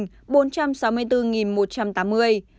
tp hcm bốn trăm sáu mươi bốn một trăm tám mươi ca nhiễm cao trong đợt dịch này